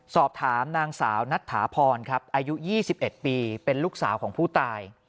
สอบถามนางสาวนัทถาพรครับอายุ๒๑ปีเป็นลูกสาวของผู้ตาย